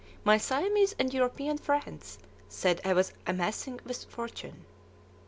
My Siamese and European friends said I was amassing a fortune.